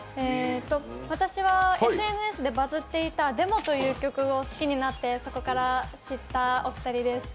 私はＳＮＳでバズっていた「ｄｅｍｏ」という曲が好きになって、そこから知ったお二人です。